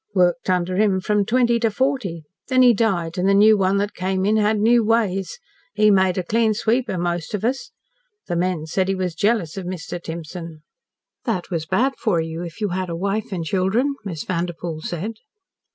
Worked under him from twenty to forty. Then he died an' the new one that came in had new ways. He made a clean sweep of most of us. The men said he was jealous of Mr. Timson." "That was bad for you, if you had a wife and children," Miss Vanderpoel said.